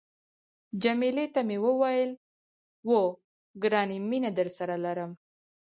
جميله ته مې وویل، اوه، ګرانې مینه درسره لرم.